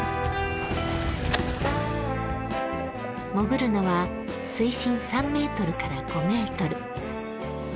潜るのは水深３ｍから５ｍ。